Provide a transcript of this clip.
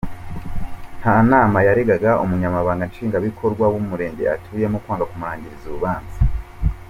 Ntanama yaregaga umunyamabanga nshingwabikorwa w’umurenge atuyemo, kwanga kumurangiriza urubanza.